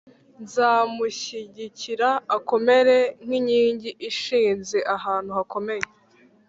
Nzamushyigikira akomere nk’inkingi ishinze ahantu hakomeye,